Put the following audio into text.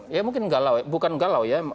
ya mungkin bukan galau ya